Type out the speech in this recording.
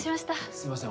すいません